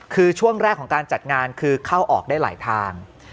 คือช่วงแรกของการจัดงานคือเข้าออกได้หลายทาง